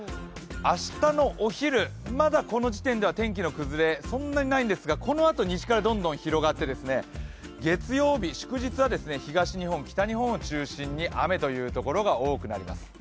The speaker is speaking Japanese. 明日のお昼、まだこの時点では天気の崩れ、そんなにないんですが、このあと西からどんどん雲が広がって月曜日、祝日は北日本東日本を中心に雨という所が多くなります。